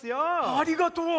ありがとう！